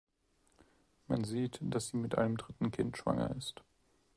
Man sieht, dass sie mit einem dritten Kind schwanger ist.